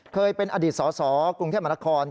เคยเป็นอดีตสสกรุงเทพมหานคร